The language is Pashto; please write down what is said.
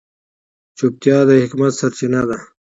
چوپتیا، د حکمت سرچینه ده.